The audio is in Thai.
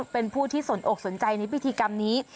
เป็นผู้ที่สนอกสนใจในพิธีกรรมนี้